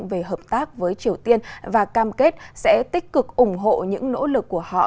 về hợp tác với triều tiên và cam kết sẽ tích cực ủng hộ những nỗ lực của họ